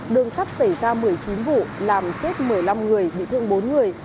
đường sắt xảy ra một mươi chín vụ làm chết một mươi năm người bị thương bốn người